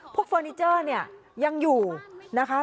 เฟอร์นิเจอร์เนี่ยยังอยู่นะคะ